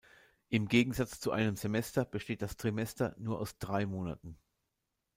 Im Gegensatz zu einem Semester besteht das Trimester nur aus drei Monaten.